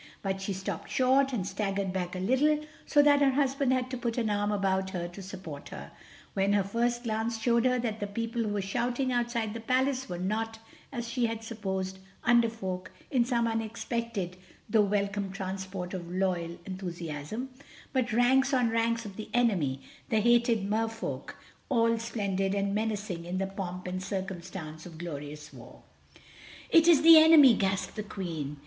But she stopped short and staggered back a little, so that her husband had to put an arm about her to support her, when her first glance showed her that the people who were shouting outside the Palace were not, as she had supposed, Under Folk in some unexpected though welcome transport of loyal enthusiasm, but ranks on ranks of the enemy, the hated Mer Folk, all splendid and menacing in the pomp and circumstance of glorious war. "It is the enemy!" gasped the Queen.